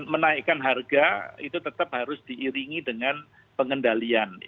menaikkan harga itu tetap harus diiringi dengan pengendalian